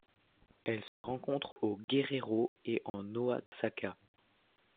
Elle se rencontre au Guerrero et en Oaxaca.